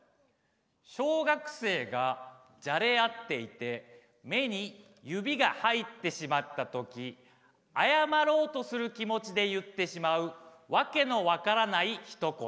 小学生がじゃれ合っていて目に指が入ってしまった時あやまろうとする気持ちで言ってしまう訳の分からないひと言。